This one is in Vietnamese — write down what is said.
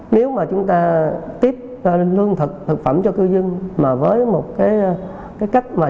nếu mà chúng ta tiếp lương thực thực phẩm cho cư dân mà với một cái cách mà chúng ta làm